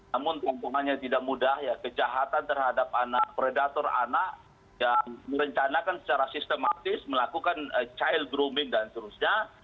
namun tantangannya tidak mudah ya kejahatan terhadap anak predator anak yang merencanakan secara sistematis melakukan child grooming dan seterusnya